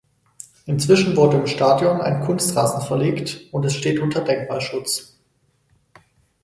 Inzwischen wurde im Stadion ein Kunstrasen verlegt und es steht unter Denkmalschutz.